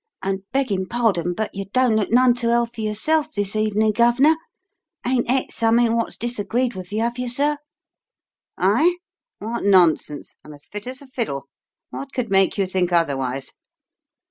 And, beggin' pardon, but you don't look none too healthy yourself this evening, Gov'nor. Ain't et summink wot's disagreed with you, have you, sir?" "I? What nonsense! I'm as fit as a fiddle. What could make you think otherwise?"